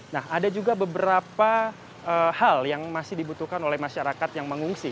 nah ada juga beberapa hal yang masih dibutuhkan oleh masyarakat yang mengungsi